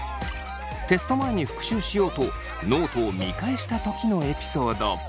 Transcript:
テスト前に復習しようとノートを見返した時のエピソード。